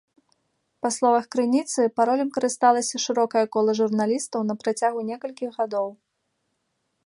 Па словах крыніцы, паролем карысталася шырокае кола журналістаў на працягу некалькіх гадоў.